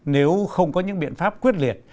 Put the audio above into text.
nếu không có những biện pháp quyết liệt